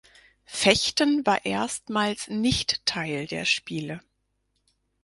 Fechten war erstmals nicht Teil der Spiele.